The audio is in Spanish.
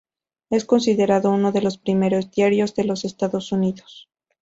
Es considerado uno de los primeros diarios de los Estados Unidos.